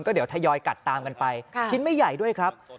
เดี๋ยวทยอยกัดตามกันไปชิ้นไม่ใหญ่ด้วยครับ